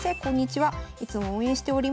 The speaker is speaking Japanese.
いつも応援しております。